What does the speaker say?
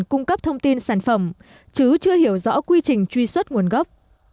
cung cấp thông tin sản phẩm chứ chưa hiểu rõ quy trình truy xuất nguồn gốc